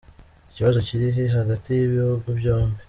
Ikibazo kirihi hagati y’ibihugu byombi.